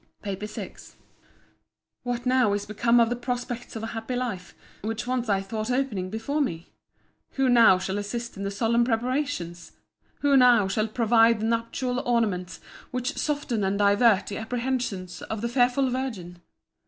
— PAPER VI What now is become of the prospects of a happy life, which once I thought opening before me?—Who now shall assist in the solemn preparations? Who now shall provide the nuptial ornaments, which soften and divert the apprehensions of the fearful virgin?